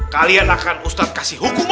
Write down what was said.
kalian akan ustadz kasih hukum